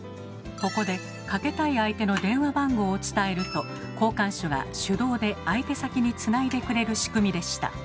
ここでかけたい相手の電話番号を伝えると交換手が手動で相手先につないでくれる仕組みでした。